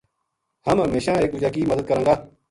ہم ہمیشاں ایک دُوجا کی مد د کراں گا